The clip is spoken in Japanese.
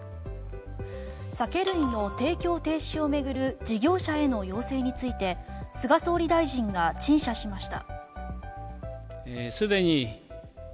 酒類の提供停止を巡る事業者への要請について菅総理大臣が陳謝しました。